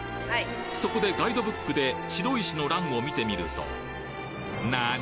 そこでガイドブックで白石の欄を見てみると何！？